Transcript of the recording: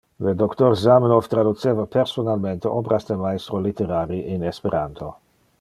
Le doctor Zamenhof traduceva personalmente obras de maestro litterari in esperanto.